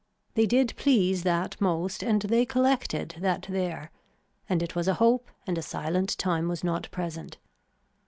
They did please that most and they collected that there and it was a hope and a silent time was not present.